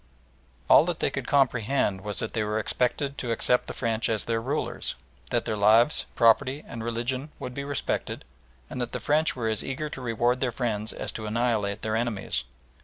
All that they could comprehend was that they were expected to accept the French as their rulers; that their lives, property, and religion would be respected; and that the French were as eager to reward their friends as to annihilate their enemies.